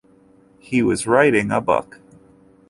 He was writing a book.